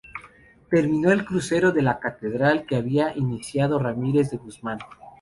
Terminó el crucero de la catedral que había iniciado Ramírez de Guzmán.